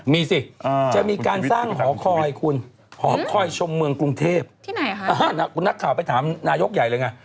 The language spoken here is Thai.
แล้วเลยมาถามนายกใหญ่เลยไง